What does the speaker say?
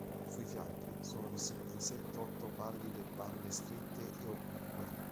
Sui fianchi sono visibili sette-otto pallide bande strette e oblique.